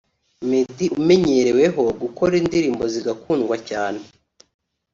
Meddy umenyereweho gukora indirimbo zigakundwa cyane